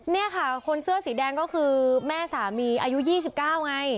นี่ค่ะคนเสื้อสีแดงก็คือแม่สามีอายุ๒๙ไง